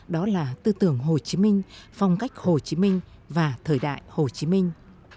đó là tư tưởng hồ chí minh phong cách hồ chí minh và thời đại hồ chí minh